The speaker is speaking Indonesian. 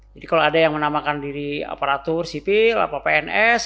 jadi kalau ada yang menamakan diri aparatur sipil atau pns